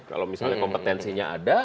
kalau misalnya kompetensinya ada